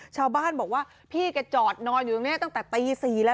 ชาวบ้านบอกว่าพี่แกจอดนอนอยู่ตรงนี้ตั้งแต่ตี๔แล้ว